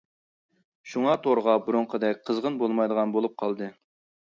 شۇڭا تورغا بۇرۇنقىدەك قىزغىن بولمايدىغان بولۇپ قالدى.